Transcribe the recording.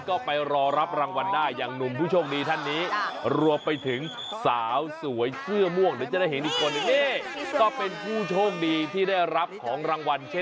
ก็ได้ร้องรับรางวัลอย่างหนุ่มผู้โชคดีค่ะ